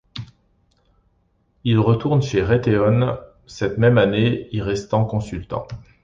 Il retourne chez Raytheon cette même année, y restant consultant.